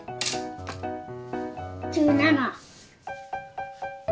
１７。